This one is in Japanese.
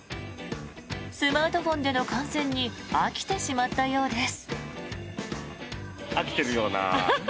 スマートフォンでの観戦に飽きてしまったようです。